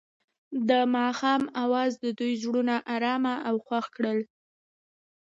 د ماښام اواز د دوی زړونه ارامه او خوښ کړل.